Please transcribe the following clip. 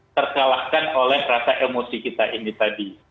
tersalahkan oleh rasa emosi kita ini tadi